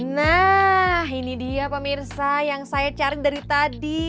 nah ini dia pemirsa yang saya cari dari tadi